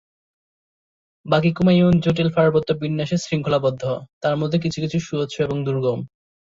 বাকি কুমায়ুন জটিল পার্বত্য বিন্যাসে শৃঙ্খলাবদ্ধ, তার মধ্যে কিছু কিছু সুউচ্চ এবং দুর্গম।